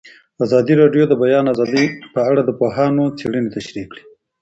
ازادي راډیو د د بیان آزادي په اړه د پوهانو څېړنې تشریح کړې.